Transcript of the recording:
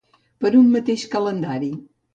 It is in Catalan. Per un mateix calendari.